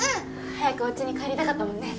早くおうちに帰りたかったもんね。